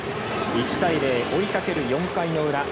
１対０、追いかける４回の裏。